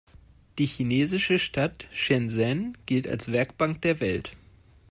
Die chinesische Stadt Shenzhen gilt als „Werkbank der Welt“.